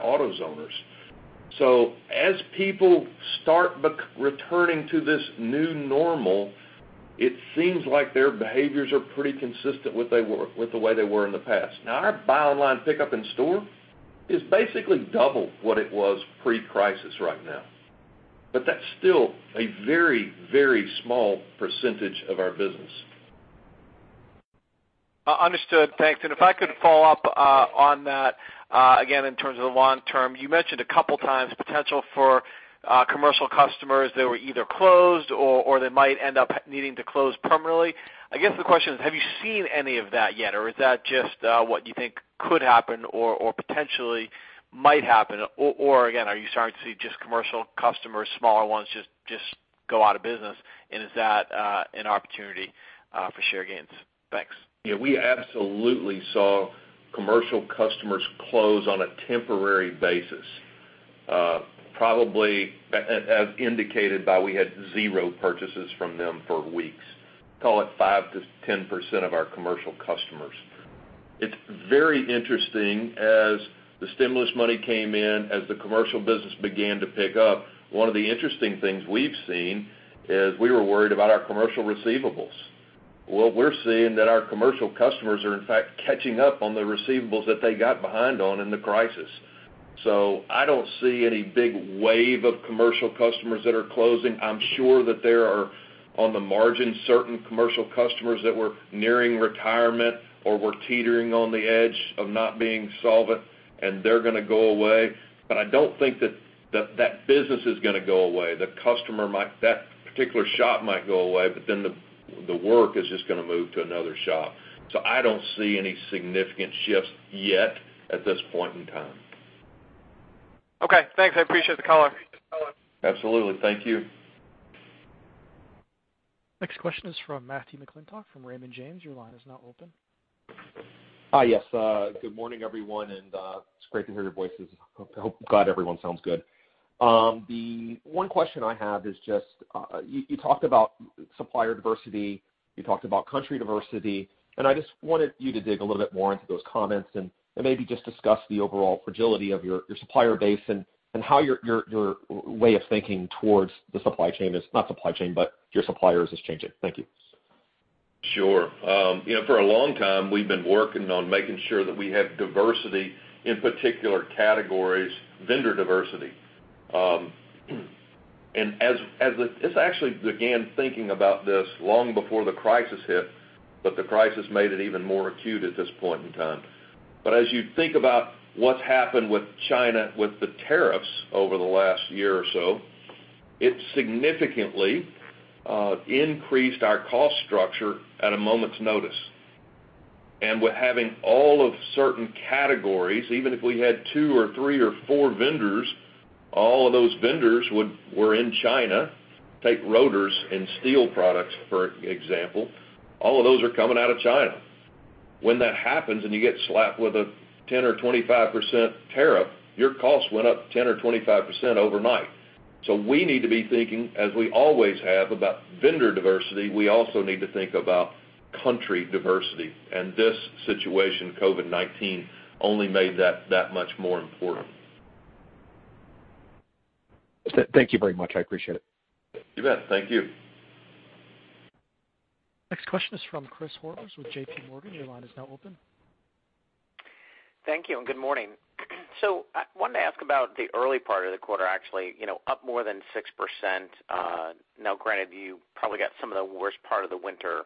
AutoZoners. As people start returning to this new normal, it seems like their behaviors are pretty consistent with the way they were in the past. Now, our buy online, pickup in store is basically double what it was pre-crisis right now, but that's still a very, very small percentage of our business. Understood. Thanks. If I could follow up on that, again, in terms of the long term, you mentioned a couple of times potential for commercial customers that were either closed or they might end up needing to close permanently. I guess the question is, have you seen any of that yet? Or is that just what you think could happen or potentially might happen? Or again, are you starting to see just commercial customers, smaller ones, just go out of business, and is that an opportunity for share gains? Thanks. Yeah, we absolutely saw commercial customers close on a temporary basis. Probably, as indicated by, we had zero purchases from them for weeks. Call it 5%-10% of our commercial customers. It's very interesting, as the stimulus money came in, as the commercial business began to pick up, one of the interesting things we've seen is we were worried about our commercial receivables. What we're seeing that our commercial customers are, in fact, catching up on the receivables that they got behind on in the crisis. I don't see any big wave of commercial customers that are closing. I'm sure that there are, on the margin, certain commercial customers that were nearing retirement or were teetering on the edge of not being solvent and they're going to go away. I don't think that that business is going to go away. That particular shop might go away, but then the work is just going to move to another shop. I don't see any significant shifts yet at this point in time. Okay, thanks. I appreciate the call. Absolutely. Thank you. Next question is from Matthew McClintock from Raymond James. Your line is now open. Hi, yes. Good morning, everyone, and it's great to hear your voices. Glad everyone sounds good. The one question I have is just, you talked about supplier diversity, you talked about country diversity, and I just wanted you to dig a little bit more into those comments and maybe just discuss the overall fragility of your supplier base and how your way of thinking towards the supply chain is, not supply chain, but your suppliers is changing. Thank you. Sure. For a long time, we've been working on making sure that we have diversity, in particular categories, vendor diversity. This actually began thinking about this long before the crisis hit, but the crisis made it even more acute at this point in time. As you think about what's happened with China, with the tariffs over the last year or so, it significantly increased our cost structure at a moment's notice. With having all of certain categories, even if we had two or three or four vendors, all of those vendors were in China. Take rotors and steel products, for example. All of those are coming out of China. When that happens and you get slapped with a 10% or 25% tariff, your cost went up 10% or 25% overnight. We need to be thinking, as we always have, about vendor diversity. We also need to think about country diversity. This situation, COVID-19, only made that much more important. Thank you very much. I appreciate it. You bet. Thank you. Next question is from Chris Horvers with JPMorgan. Your line is now open. Thank you. Good morning. I wanted to ask about the early part of the quarter, actually. Up more than 6%. Granted, you probably got some of the worst part of the winter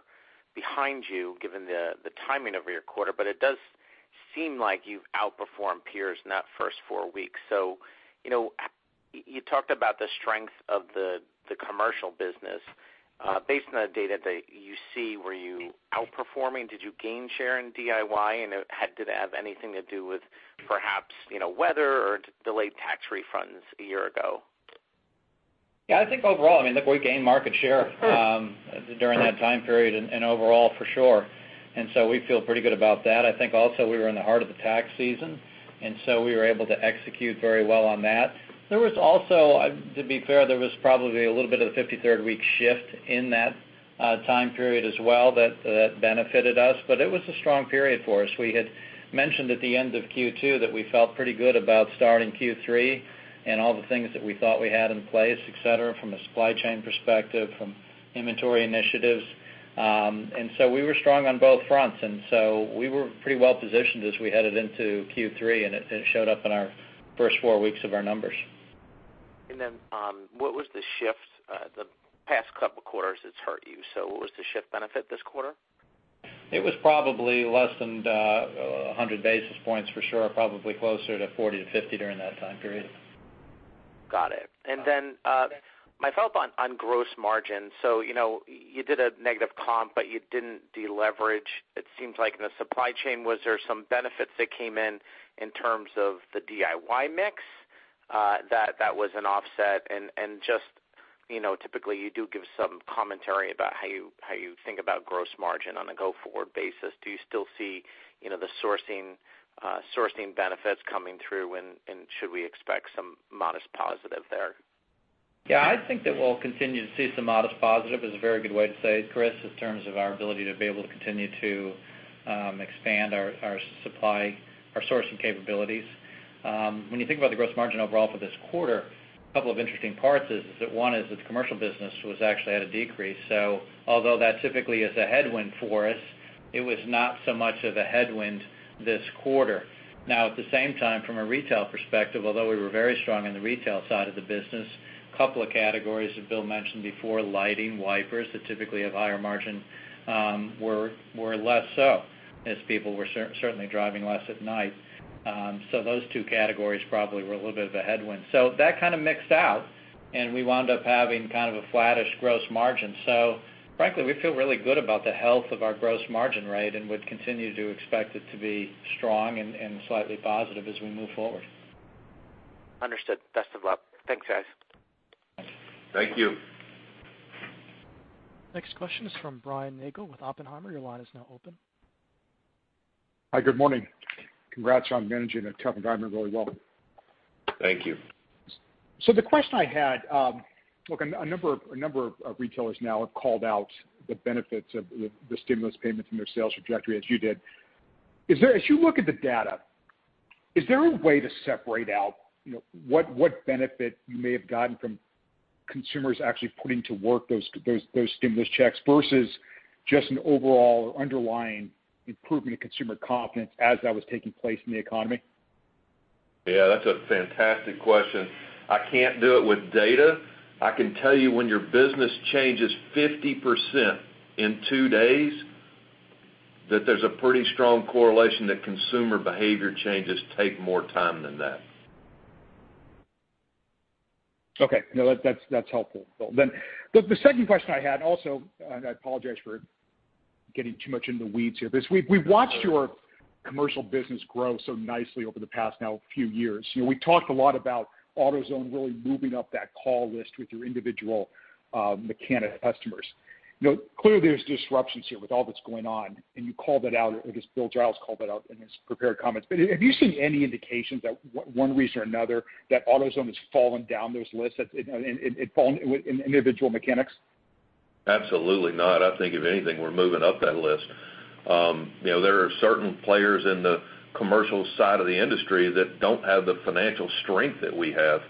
behind you, given the timing of your quarter. It does seem like you've outperformed peers in that first four weeks. You talked about the strength of the commercial business. Based on the data that you see, were you outperforming? Did you gain share in DIY? Did it have anything to do with perhaps weather or delayed tax refunds a year ago? I think overall, I mean, look, we gained market share during that time period and overall for sure. We feel pretty good about that. I think also we were in the heart of the tax season, and so we were able to execute very well on that. There was also, to be fair, there was probably a little bit of a 53rd week shift in that time period as well that benefited us. It was a strong period for us. We had mentioned at the end of Q2 that we felt pretty good about starting Q3 and all the things that we thought we had in place, et cetera, from a supply chain perspective, from inventory initiatives. We were strong on both fronts, we were pretty well-positioned as we headed into Q3, it showed up in our first four weeks of our numbers. What was the shift? The past couple of quarters, it's hurt you. What was the shift benefit this quarter? It was probably less than 100 basis points for sure, probably closer to 40 to 50 during that time period. Got it. My follow-up on gross margin. You did a negative comp, but you didn't deleverage. It seems like in the supply chain, was there some benefits that came in in terms of the DIY mix, that was an offset? Typically, you do give some commentary about how you think about gross margin on a go-forward basis. Do you still see the sourcing benefits coming through, and should we expect some modest positive there? Yeah, I think that we'll continue to see some modest positive is a very good way to say it, Chris, in terms of our ability to be able to continue to expand our sourcing capabilities. When you think about the gross margin overall for this quarter, a couple of interesting parts is that one is the commercial business was actually at a decrease. Although that typically is a headwind for us, it was not so much of a headwind this quarter. At the same time, from a retail perspective, although we were very strong in the retail side of the business, couple of categories that Bill mentioned before, lighting, wipers, that typically have higher margin, were less so as people were certainly driving less at night. Those two categories probably were a little bit of a headwind. That kind of mixed out, and we wound up having kind of a flattish gross margin. Frankly, we feel really good about the health of our gross margin rate and would continue to expect it to be strong and slightly positive as we move forward. Understood. Best of luck. Thanks, guys. Thank you. Next question is from Brian Nagel with Oppenheimer. Your line is now open. Hi, good morning. Congrats on managing a tough environment really well. Thank you. The question I had, look, a number of retailers now have called out the benefits of the stimulus payments in their sales trajectory as you did. As you look at the data, is there a way to separate out what benefit you may have gotten from consumers actually putting to work those stimulus checks versus just an overall underlying improvement in consumer confidence as that was taking place in the economy? Yeah, that's a fantastic question. I can't do it with data. I can tell you when your business changes 50% in two days, that there's a pretty strong correlation that consumer behavior changes take more time than that. Okay. No, that's helpful, Bill. The second question I had also, I apologize for getting too much into the weeds here. We've watched your commercial business grow so nicely over the past now few years. We talked a lot about AutoZone really moving up that call list with your individual mechanic customers. Clearly there's disruptions here with all that's going on, you called it out, or I guess Bill Giles called it out in his prepared comments. Have you seen any indications that one reason or another that AutoZone has fallen down those lists and fallen with individual mechanics? Absolutely not. I think if anything, we're moving up that list. There are certain players in the commercial side of the industry that don't have the financial strength that we have.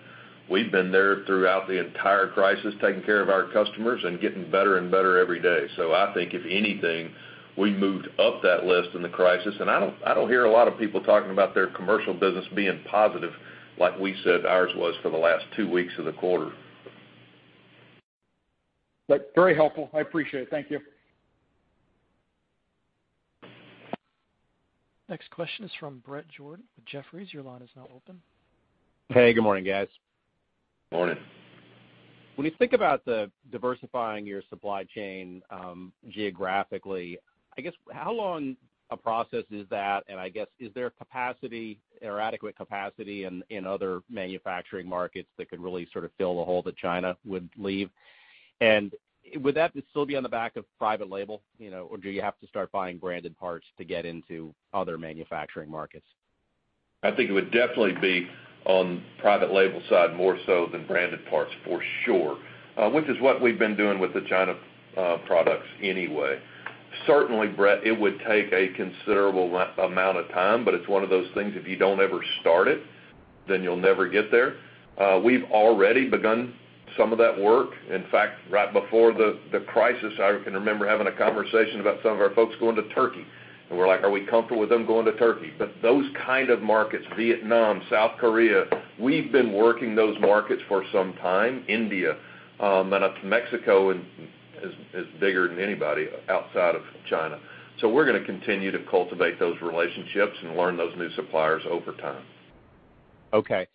We've been there throughout the entire crisis, taking care of our customers and getting better and better every day. I think if anything, we moved up that list in the crisis, and I don't hear a lot of people talking about their commercial business being positive like we said ours was for the last two weeks of the quarter. Very helpful. I appreciate it. Thank you. Next question is from Bret Jordan with Jefferies. Your line is now open. Hey, good morning, guys. Morning. When you think about diversifying your supply chain geographically, I guess, how long a process is that, I guess, is there capacity or adequate capacity in other manufacturing markets that could really sort of fill the hole that China would leave? Would that still be on the back of private label, or do you have to start buying branded parts to get into other manufacturing markets? I think it would definitely be on private label side more so than branded parts, for sure, which is what we've been doing with the China products anyway. Certainly, Bret, it would take a considerable amount of time, but it's one of those things if you don't ever start it, then you'll never get there. We've already begun some of that work. In fact, right before the crisis, I can remember having a conversation about some of our folks going to Turkey, and we're like, "Are we comfortable with them going to Turkey?" Those kind of markets, Vietnam, South Korea, we've been working those markets for some time. India, up to Mexico is bigger than anybody outside of China. We're going to continue to cultivate those relationships and learn those new suppliers over time. Okay.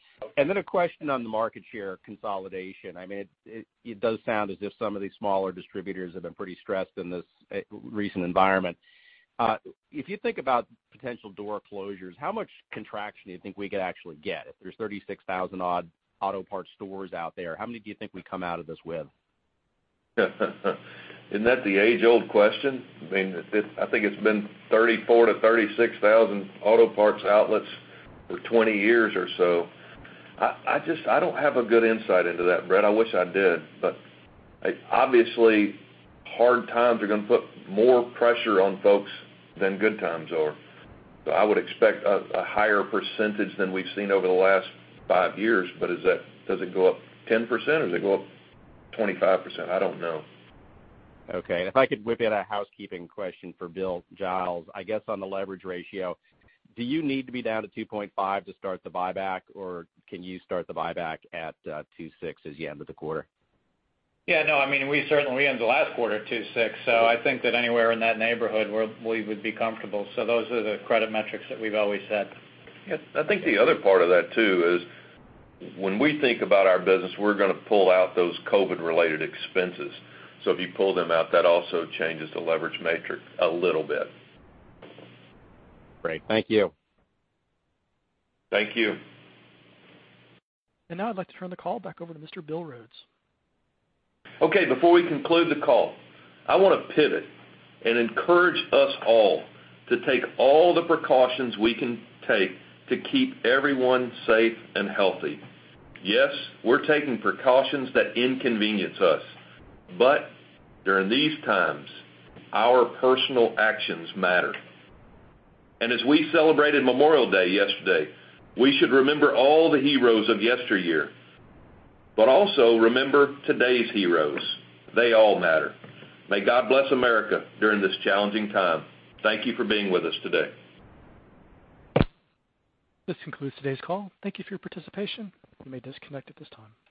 A question on the market share consolidation. It does sound as if some of these smaller distributors have been pretty stressed in this recent environment. If you think about potential door closures, how much contraction do you think we could actually get? If there's 36,000 odd auto parts stores out there, how many do you think we come out of this with? Isn't that the age-old question? I think it's been 34,000-36,000 auto parts outlets for 20 years or so. I don't have a good insight into that, Bret. I wish I did, but obviously hard times are going to put more pressure on folks than good times are. I would expect a higher percentage than we've seen over the last five years. Does it go up 10% or does it go up 25%? I don't know. Okay. If I could whip in a housekeeping question for Bill Giles, I guess on the leverage ratio, do you need to be down to 2.5 to start the buyback, or can you start the buyback at 2.6 as you end with the quarter? No, we certainly ended last quarter at 2.6, I think that anywhere in that neighborhood we would be comfortable. Those are the credit metrics that we've always set. I think the other part of that too is when we think about our business, we're going to pull out those COVID-related expenses. If you pull them out, that also changes the leverage metrics a little bit. Great. Thank you. Thank you. Now I'd like to turn the call back over to Mr. Bill Rhodes. Okay. Before we conclude the call, I want to pivot and encourage us all to take all the precautions we can take to keep everyone safe and healthy. Yes, we're taking precautions that inconvenience us. During these times, our personal actions matter. As we celebrated Memorial Day yesterday, we should remember all the heroes of yesteryear, but also remember today's heroes. They all matter. May God bless America during this challenging time. Thank you for being with us today. This concludes today's call. Thank you for your participation. You may disconnect at this time.